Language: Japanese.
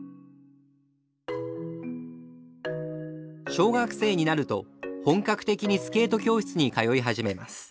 小学生になると本格的にスケート教室に通い始めます。